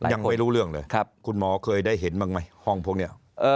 ยังไม่รู้เรื่องเลยคุณหมอเคยได้เห็นบ้างไหมห้องพวกนี้